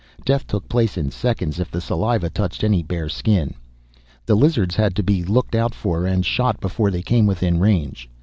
Death took place in seconds if the saliva touched any bare skin. The lizards had to be looked out for, and shot before they came within range.